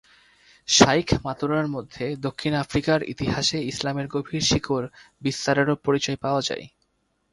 শাইখ মাতুরার মধ্যে দক্ষিণ আফ্রিকার ইতিহাসে ইসলামের গভীর শিকড় বিস্তারেরও পরিচয় পাওয়া যায়।